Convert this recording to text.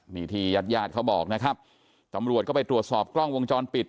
นี่ที่ญาติญาติเขาบอกนะครับตำรวจก็ไปตรวจสอบกล้องวงจรปิด